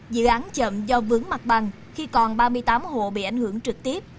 dự án chậm do vướng mặt bằng khi còn ba mươi tám hộ bị ảnh hưởng trực tiếp